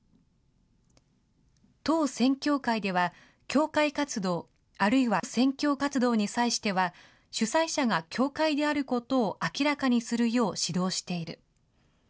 当宣教会では、教会活動、あるいは宣教活動に際しては、主催者が教会であることを明らかにするよう指導している。